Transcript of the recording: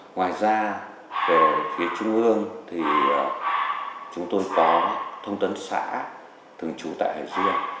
ngoài ra về phía trung ương thì chúng tôi có thông tấn xã thường trú tại hải dương